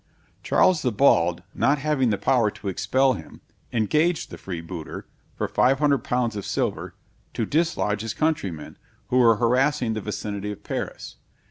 Charles the Bald, not having the power to expel him, engaged the freebooter, for 500 pounds of silver, to dislodge his countrymen, who were harassing the vicinity of Paris.